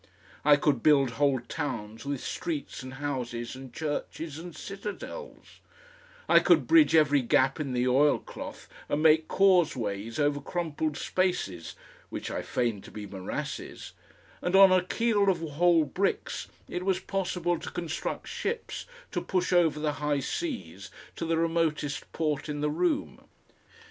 I could build whole towns with streets and houses and churches and citadels; I could bridge every gap in the oilcloth and make causeways over crumpled spaces (which I feigned to be morasses), and on a keel of whole bricks it was possible to construct ships to push over the high seas to the remotest port in the room.